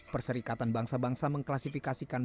perserikatan bangsa bangsa mengklasifikasikan